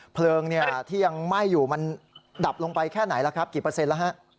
เพลิงที่ยังไหม้อยู่มันดับลงไปแค่ไหนล่ะครับกี่เปอร์เซ็นต์แล้วฮะ